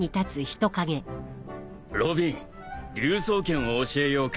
ロビン竜爪拳を教えようか？